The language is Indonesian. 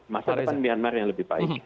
masa depan myanmar yang lebih baik